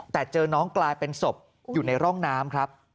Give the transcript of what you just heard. แต่เจอน้องกลายเป็นศพอยู่ในร่องน้ำครับ